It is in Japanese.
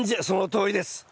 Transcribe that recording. そのとおりです。